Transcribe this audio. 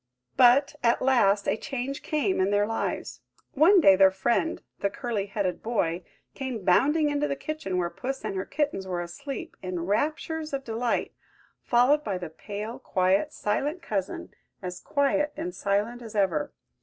... But, at last, a change came in their lives. One day their friend, the curly headed boy, came bounding into the kitchen where Puss and her kittens were asleep, in raptures of delight, followed by the pale, quiet, silent cousin, as quiet and silent as ever.